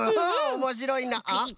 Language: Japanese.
おもしろいな。